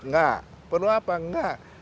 enggak perlu apa enggak